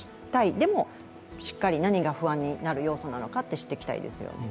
でも、しっかり何が不安になる要素なのか知っていきたいですよね。